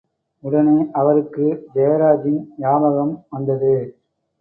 உடனே அவருக்கு ஜெயராஜின் ஞாபகம் வந்தது.